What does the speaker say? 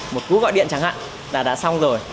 một cú gọi điện chẳng hạn đã xong rồi